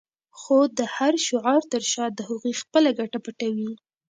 خو د هر شعار تر شا د هغوی خپله ګټه پټه وي.